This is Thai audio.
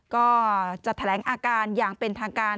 ก็จะแถลงอาการอย่างเป็นทางการ